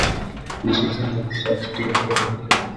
This is a mixed-sex teams tournament.